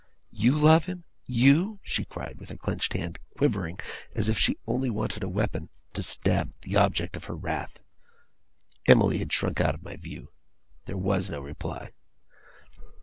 'YOU love him? You?' she cried, with her clenched hand, quivering as if it only wanted a weapon to stab the object of her wrath. Emily had shrunk out of my view. There was no reply.